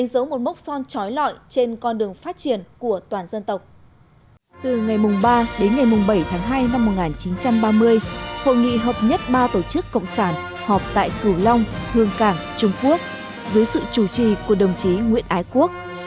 từ ngày ba đến ngày bảy tháng hai năm một nghìn chín trăm ba mươi hội nghị hợp nhất ba tổ chức cộng sản họp tại cửu long hương cảng trung quốc dưới sự chủ trì của đồng chí nguyễn ái quốc